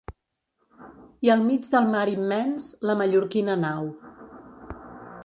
I al mig del mar immens la mallorquina nau.